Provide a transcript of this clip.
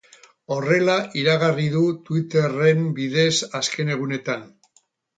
Horrela iragarri du twitter-en bidez azken egunetan.